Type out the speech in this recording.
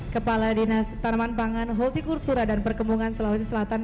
kepala dinas tanaman pangan holti kultura dan perkembangan sulawesi selatan